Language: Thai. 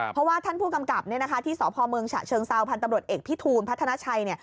เพราะว่าท่านผู้กำกับที่สพเมชเชิงเซาพตเอกพิธูนพัฒนาชัย